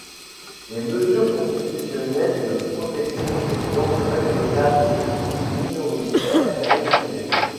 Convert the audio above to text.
Les mesures constitutionnelles de protection des langues régionales ou minoritaires sont refusées.